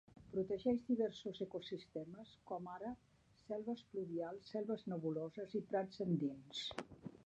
Protegeix diversos ecosistemes com ara selves pluvials, selves nebuloses i prats andins.